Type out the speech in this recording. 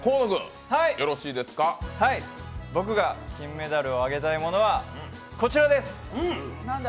僕が金メダルをあげたい物はこちらです！